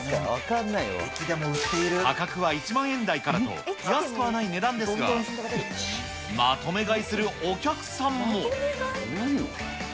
価格は１万円台からと、安くはない値段ですが、まとめ買いするお客さんも。